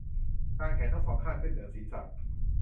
กางแขนทั้ง สอง ข้างขึ้นเหนือศีรษะ